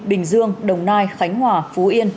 bình dương đồng nai khánh hòa phú yên